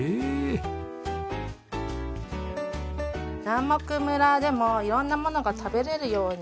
南牧村でも色んなものが食べられるように。